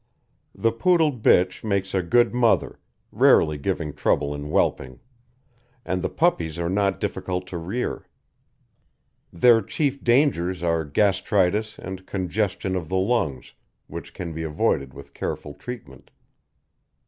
The Poodle bitch makes a good mother, rarely giving trouble in whelping, and the puppies are not difficult to rear. Their chief dangers are gastritis and congestion of the lungs, which can be avoided with careful treatment.